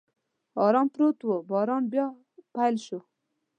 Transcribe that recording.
ارام پروت و، باران بیا پیل شو.